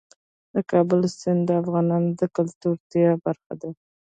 د کابل سیند د افغانانو د ګټورتیا برخه ده.